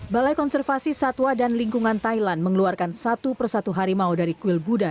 balai konservasi satwa dan lingkungan thailand mengeluarkan satu persatu harimau dari kuil buddha